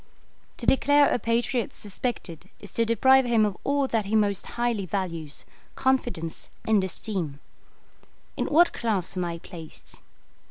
To declare a patriot suspected is to deprive him of all that he most highly values confidence and esteem. In what class am I placed?